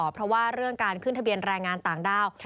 เพราะว่าเรื่องการขึ้นทะเบียนแรงงานต่างด้าว